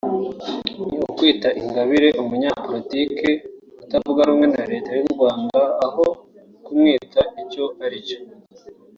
ni ukwita Ingabire “umunyapolitiki” utavuga rumwe na Leta y’u Rwanda aho kumwita icyo ari cyo